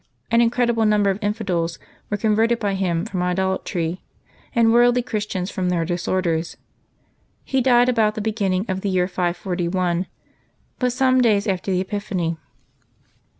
An incredible number of infidels were converted by him from idolatry, and worldly Christians from their disorders. He died about the beginning of the year 541, but some days after the Epiphany.